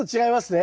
え。